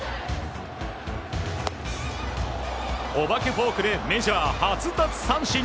お化けフォークでメジャー初奪三振。